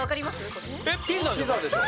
これ。えピザでしょ？